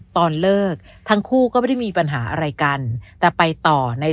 ตอนเลิกทั้งคู่ก็ไม่ได้มีปัญหาอะไรกันแต่ไปต่อใน